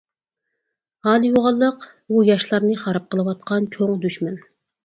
ھالى يوغانلىق ئۇ ياشلارنى خاراب قىلىۋاتقان چوڭ دۈشمەن.